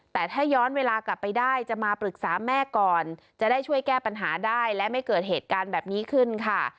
แต่ถ้าย้อนเวลากลับไปได้จะมาปรึกษาแม่ก่อนจะได้ช่วยแก้ปัญหาได้และไม่เกิดเหตุการณ์แบบนี้ขึ้นค่ะ